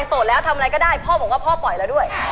ขึ้นมาฟอนเฮ้ย